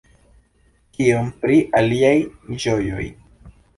Kion pri iliaj ĝojoj?